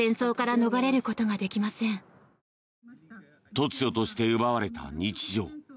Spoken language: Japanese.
突如として奪われた日常。